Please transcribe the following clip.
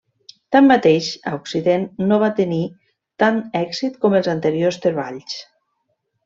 Tanmateix, a occident no va tenir tant èxit com els anteriors treballs.